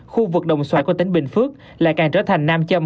khu vực đồng xoài của tỉnh bình phước lại càng trở thành nam châm